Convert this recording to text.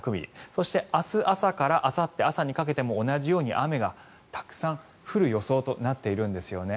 そして明日朝からあさって朝にかけても同じように雨がたくさん降る予想となっているんですよね。